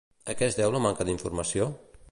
A què es deu la manca d'informació?